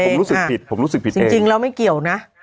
ผมรู้สึกผิดผมรู้สึกผิดจริงแล้วไม่เกี่ยวนะ